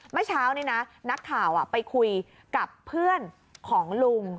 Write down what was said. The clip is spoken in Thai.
เมื่อเช้านี้นะนักข่าวไปคุยกับเพื่อนของลุง